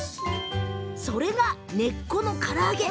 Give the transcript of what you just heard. それが根っこのから揚げ。